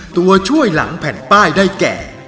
ตัวช่วยหลังแผ่นป้ายได้แก่